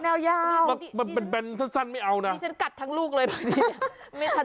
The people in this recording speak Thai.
แนวยาวมันเป็นเป็นสั้นไม่เอานะดิฉันกัดทั้งลูกเลยไม่ทัน